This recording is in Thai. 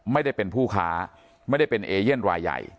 ไม่ได้เป็นผู้ค้าไม่ได้เป็นเอเย่นรายใหญ่